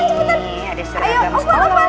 ini ada seragam sekolah buat kalian